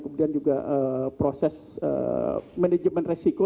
kemudian juga proses manajemen resiko